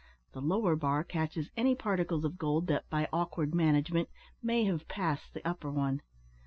The lower bar catches any particles of gold that, by awkward management, may have passed the upper one.